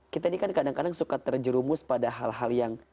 kita ini kan kadang kadang suka terjerumus pada hal hal yang